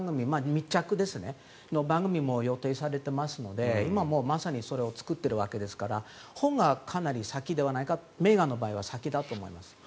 密着の番組も予定されていますので今、まさにそれを作っているわけですから本はかなり先ではないかとメーガンの場合は先だと思います。